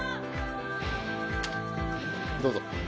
どうぞ。